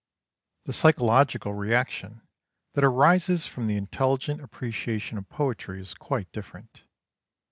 The psychological reaction that arises from the intelligent appreciation of poetry is quite different.